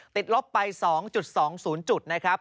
ลบไป๒๒๐จุดนะครับ